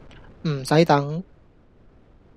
唔洗等